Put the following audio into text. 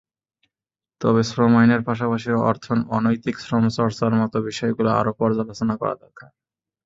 তবে শ্রম আইনের পাশাপাশি অনৈতিক শ্রমচর্চার মতো বিষয়গুলো আরও পর্যালোচনা করা দরকার।